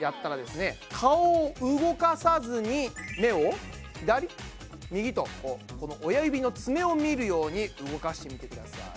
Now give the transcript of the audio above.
顔を動かさずに目を左右と親指の爪を見るように動かしてみてください。